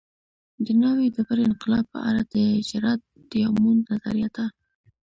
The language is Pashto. د نوې ډبرې انقلاب په اړه د جراډ ډیامونډ نظریه ده